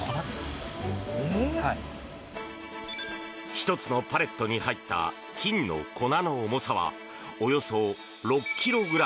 １つのパレットに入った金の粉の重さはおよそ６ｋｇ。